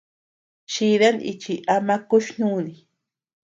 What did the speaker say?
Chidan nichiy ama kuch-nùni.